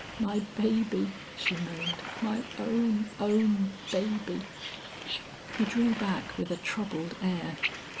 "My baby," she moaned, "my own, own baby!" He drew back with a troubled air.